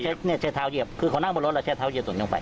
ใช่ครับเช่นเท้าเหยียบคือเขานั่งบนรถแล้วเช่นเท้าเหยียบตรงนี้ลงไป